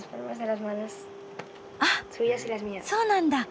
あっそうなんだ。